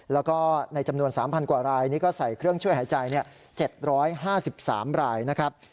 แล้วก็ในจำนวน๓๐๐กว่ารายนี้ก็ใส่เครื่องช่วยหายใจ๗๕๓รายนะครับ